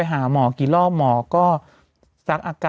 เราก็มีความหวังอะ